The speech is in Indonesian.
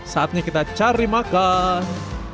saatnya kita cari makan